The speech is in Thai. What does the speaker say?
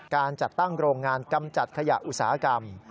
การจัดตั้งโรงงานกำจัดขยะอุตสาหกรรม